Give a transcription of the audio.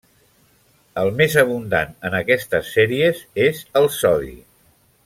El més abundant en aquestes sèries és el sodi.